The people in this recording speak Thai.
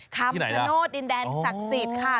คำชโนธดินแดนศักดิ์สิทธิ์ค่ะ